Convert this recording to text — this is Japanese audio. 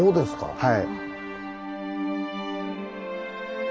はい。